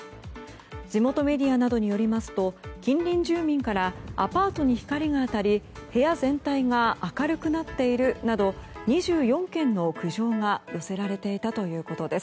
地元メディアなどによりますと近隣住民からアパートに光が当たり部屋全体が明るくなっているなど２４件の苦情が寄せられていたということです。